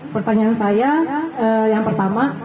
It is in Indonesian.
pertanyaan saya yang pertama